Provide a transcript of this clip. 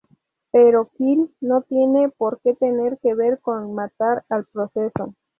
Pero "kill" no tiene por que tener que ver con "matar" al proceso.